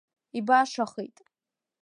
Ибашахеит.